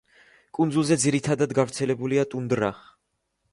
კუნძულზე ძირითადად გავრცელებულია ტუნდრა.